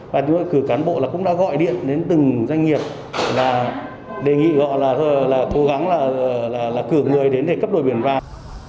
và cử cán bộ cũng đã gọi điện đến từng doanh nghiệp đề nghị họ cố gắng cử người đến để cấp đổi biển vàng